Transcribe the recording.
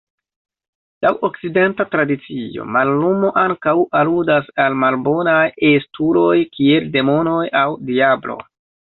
Laŭ Okcidenta tradicio, mallumo ankaŭ aludas al malbonaj estuloj, kiel demonoj aŭ Diablo.